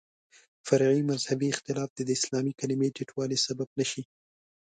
فرعي مذهبي اختلاف دې د اسلامي کلمې ټیټوالي سبب نه شي.